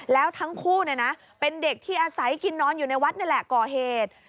แล้วทั้งคู่เป็นเด็กที่อาศัยกินนอนอยู่ในวัดนี่แหละก่อเหตุ